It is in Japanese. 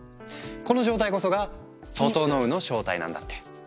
この状態こそが「ととのう」の正体なんだって。